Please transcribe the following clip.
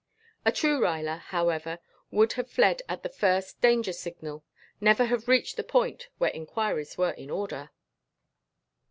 A true Ruyler, however, would have fled at the first danger signal, never have reached the point where inquiries were in order.